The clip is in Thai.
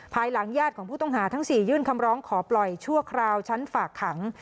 ภายหลังญาติของผู้ต้องหาทั้ง๔ยื่นคำร้องขอปล่อยชั่วคราวชั้นฝากขัง